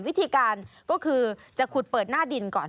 วิธีการก็คือจะขุดเปิดหน้าดินก่อน